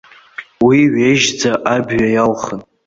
Уи ҩежьӡа абҩа иалхын.